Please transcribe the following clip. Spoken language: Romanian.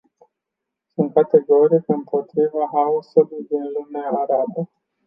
Sunt categoric împotriva haosului din lumea arabă.